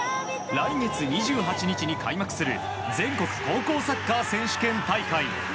来月２８日に開幕する全国高校サッカー選手権大会。